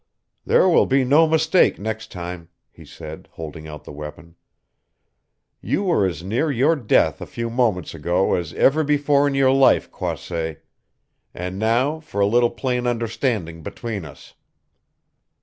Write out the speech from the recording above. "There will be no mistake next time," he said, holding out the weapon. "You were as near your death a few moments ago as ever before in your life, Croisset and now for a little plain understanding between us.